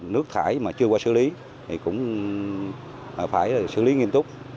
nước thải mà chưa qua xử lý thì cũng phải xử lý nghiêm túc